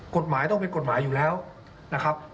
กฎหมายต้องเป็นกฎหมายอยู่แล้วนะครับ